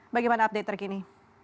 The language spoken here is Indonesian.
bagaimana update terkini